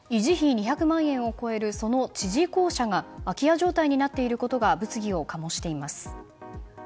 ２００万円を超えるその知事公舎が空き家状態になっていることが物議を醸しています。